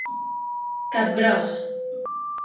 Cap gros.